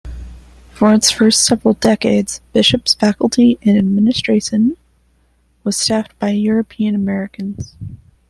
For its first several decades, Bishop's faculty and administration was staffed by European Americans.